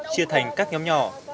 chia thành các nhóm nhỏ